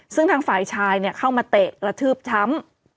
ซึ่งทางฝ่ายชายเข้ามาเตะกระทืบช้ำ